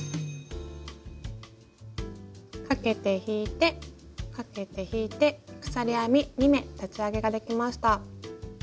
かけて引いてかけて引いて鎖編み２目立ち上げができました。